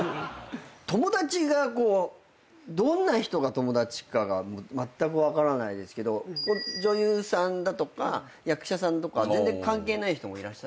友達がどんな人が友達かがまったく分からないですけど女優さんだとか役者さんとか全然関係ない人もいらっしゃる？